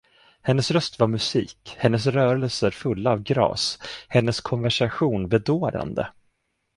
Hennes röst var musik, hennes rörelser fulla av grace, hennes konversation bedårande.